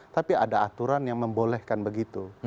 tapi ada aturan yang membolehkan begitu